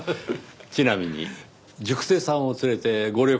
ちなみに塾生さんを連れてご旅行にはよく？